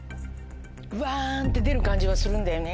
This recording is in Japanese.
ぶわんって出る感じがするんだよね